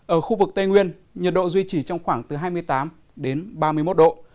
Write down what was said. ở khu vực tây nguyên nhiệt độ duy trì trong khoảng từ hai mươi tám đến ba mươi một độ